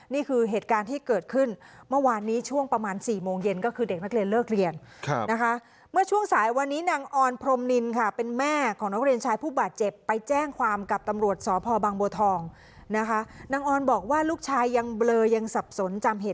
นี่คือเหตุการณ์ที่เกิดขึ้นเมื่อวานนี้โรงช่วงประมาณ๔โมงเย็น